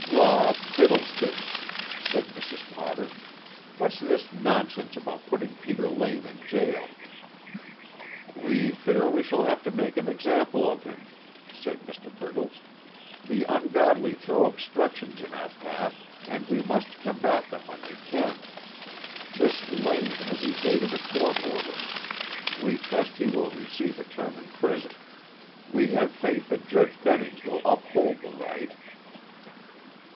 "Law fiddlesticks!" said Mrs. Potter. "What's this nonsense about putting Peter Lane in jail?" "We fear we shall have to make an example of him," said Mr. Briggles. "The ungodly throw obstructions in our path, and we must combat them when we can. This Lane has evaded a court order. We trust he will receive a term in prison. We have faith that Judge Bennings will uphold the right."